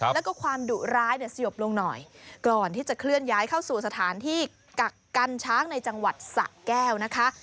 แล้วก็ความดุร้ายเนี่ยสยบลงหน่อยก่อนที่จะเคลื่อนย้ายเข้าสู่สถานที่กักกันช้างในจังหวัดสะแก้วนะคะ